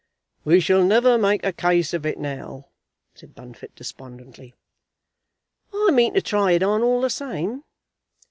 "We shall never make a case of it now," said Bunfit despondently. "I mean to try it on all the same.